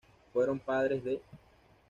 Fueron padres de.